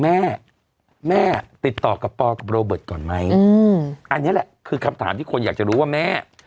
แม่แม่ติดต่อกับปอกับโรเบิร์ตก่อนไหมอืมอันนี้แหละคือคำถามที่คนอยากจะรู้ว่าแม่